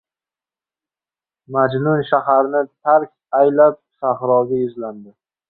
• Majnun shaharni tark aylab sahroga yuzlandi.